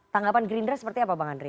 tanggapan gerindra seperti apa bang andre